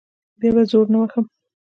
بیا به زور نه وهم.